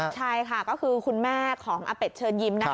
ใช่ค่ะก็คือคุณแม่ของอเป็ดเชิญยิ้มนะคะ